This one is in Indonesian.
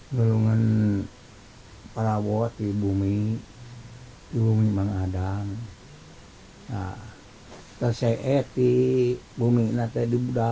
kena wongsoan itu ceritanya gimana